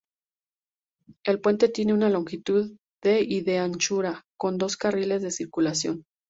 El puente tiene una longitud de y de anchura, con dos carriles de circulación.